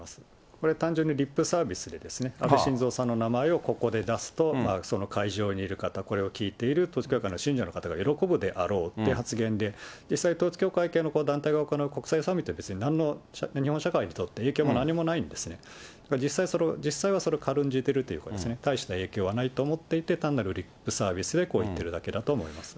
これ、単純にリップサービスでですね、安倍晋三さんの名前をここで出すと、その会場にいる方、これを聞いている統一教会の信者の方が喜ぶであろう発言で、統一教会系の団体が行う国際サミット、なんの日本社会にとって影響もなんにもないんですね、実際はそれを軽んじているというか、大した影響はないと思っていて、単なるリップサービスでこう言ってるだけだと思います。